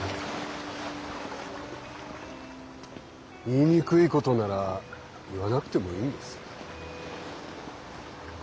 言いにくいことなら言わなくてもいいんです。